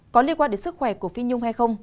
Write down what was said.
có liên quan đến sức khỏe của phi nhung hay không